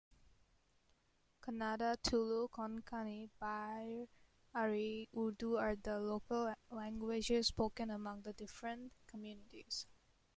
Kannada, Tulu, Konkani, Byari, Urdu are the local languages spoken among the different communities.